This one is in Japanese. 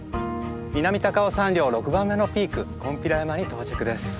南高尾山稜６番目のピークコンピラ山に到着です。